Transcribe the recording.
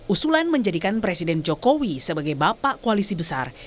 usulan menjadikan presiden jokowi sebagai bapak koalisi besar